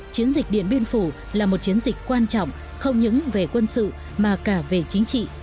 chiến dịch điện biên phủ là một chiến dịch quan trọng không những về quân sự mà cả về chính trị